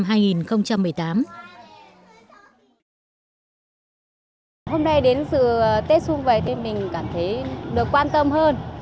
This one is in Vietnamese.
hôm nay đến sự tết xuân về thì mình cảm thấy được quan tâm hơn